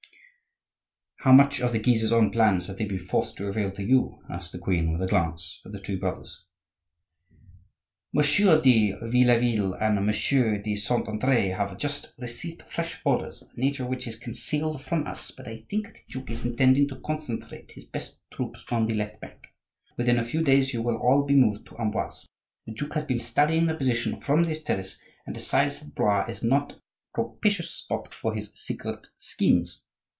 "How much of the Guises' own plans have they been forced to reveal to you?" asked the queen, with a glance at the two brothers. "Monsieur de Vieilleville and Monsieur de Saint Andre have just received fresh orders, the nature of which is concealed from us; but I think the duke is intending to concentrate his best troops on the left bank. Within a few days you will all be moved to Amboise. The duke has been studying the position from this terrace and decides that Blois is not a propitious spot for his secret schemes.